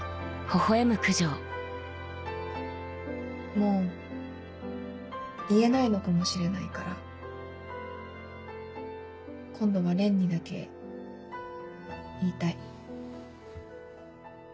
もう言えないのかもしれないから今度は蓮にだけ言いたい。